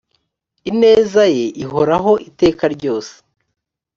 ineza ye ihoraho iteka ryose